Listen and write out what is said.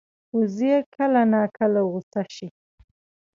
وزې کله ناکله غوسه شي